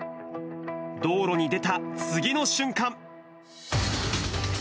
道路に出た次の瞬間。